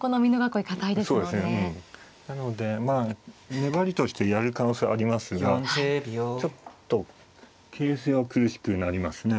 なのでまあ粘りとしてやる可能性ありますがちょっと形勢は苦しくなりますね。